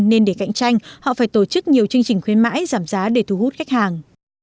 nên để cạnh tranh họ phải tổ chức nhiều chương trình khuyến mãi giảm giá để thu hút khách hàng